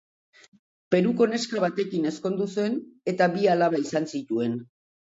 Peruko neska batekin ezkondu zen eta bi alaba izan zituen.